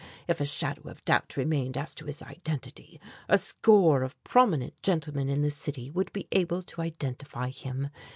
If a shadow of doubt remained as to his identity, a score of prominent gentlemen in the city would be able to identify him.